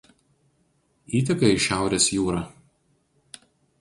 Įteka į Šiaurės jūrą.